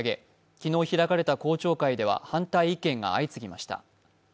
昨日開かれた公聴会では反対意見が相次ぎました。